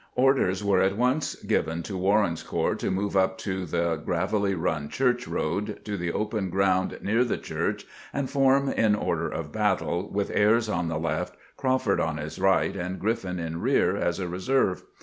Orders were at once given to Warren's corps to move up the G ravelly Run Church road to the open ground near the church, and form in order of battle, with Ayres on the left, Craw ford on his right, and Q riffin in rear as a reserve.